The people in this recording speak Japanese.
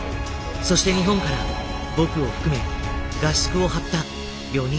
そして日本から僕を含め合宿を張った４人。